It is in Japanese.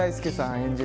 演じる